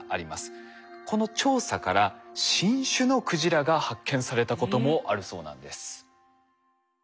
この調査から新種のクジラが発見されたこともあるそうなんです。